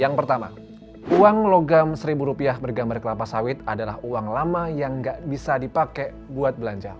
yang pertama uang logam seribu rupiah bergambar kelapa sawit adalah uang lama yang nggak bisa dipakai buat belanja